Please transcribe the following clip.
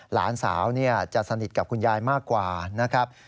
หลานสาวจะสนิทกับคุณยายมากกว่านะครับ